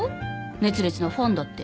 熱烈なファンだって。